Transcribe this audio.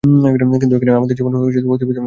কিন্তু এখানে আমাদের জীবন অতিবাহিত করা যাবে না।